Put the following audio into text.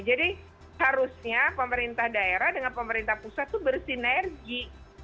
jadi harusnya pemerintah daerah dengan pemerintah pusat itu bersinergi